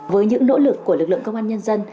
với những nỗ lực của lực lượng công an nhân dân